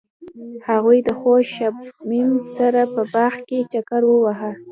هغوی د خوږ شمیم سره په باغ کې چکر وواهه.